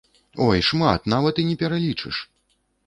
Ой, шмат, нават і не пералічыш!